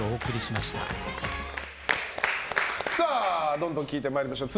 どんどん聞いて参りましょう。